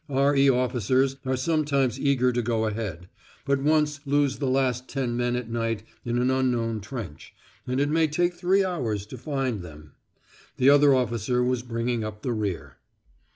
R.E. officers are sometimes eager to go ahead; but once lose the last ten men at night in an unknown trench, and it may take three hours to find them.) The other officer was bringing up the rear.